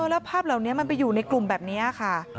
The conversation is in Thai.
แล้วภาพเหล่านี้มันไปอยู่ในกลุ่มแบบนี้ค่ะ